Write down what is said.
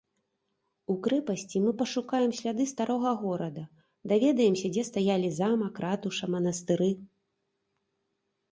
У крэпасці мы пашукаем сляды старога горада, даведаемся, дзе стаялі замак, ратуша, манастыры.